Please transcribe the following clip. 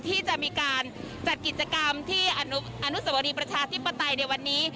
ที่จะมีการจัดกิจกรรมที่อนุสวรีประชาธิปไตยในวันนี้